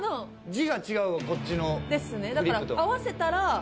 字が違うわこっちの。ですね。